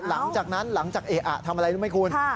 หลังจากนั้นหลังจากเออะทำอะไรรู้ไหมคุณ